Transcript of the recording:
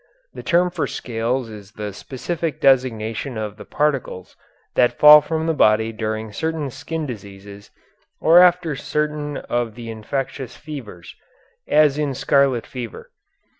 The term for scales is the specific designation of the particles that fall from the body during certain skin diseases or after certain of the infectious fevers, as in scarlet fever.